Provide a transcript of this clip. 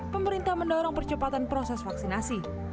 pemerintah mendorong percepatan proses vaksinasi